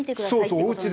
そうそう。